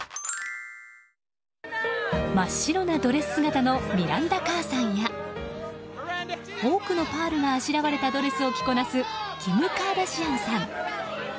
真っ白なドレス姿のミランダ・カーさんや多くのパールがあしらわれたドレスを着こなすキム・カーダシアンさん。